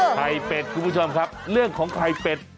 ไข่เป็ดคุณผู้ชมครับเรื่องของไข่เป็ด